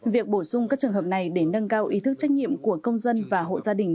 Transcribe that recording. việc bổ sung các trường hợp này để nâng cao ý thức trách nhiệm của công dân và hộ gia đình